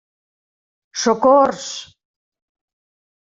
Socors!